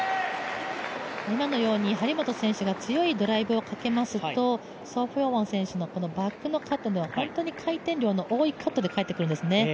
今のように張本選手が強いドライブをかけますとソ・ヒョウォン選手のバックのカットでは本当に回転量の多いカットで返ってくるんですね。